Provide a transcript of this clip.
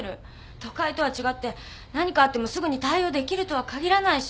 都会とは違って何かあってもすぐに対応できるとは限らないし。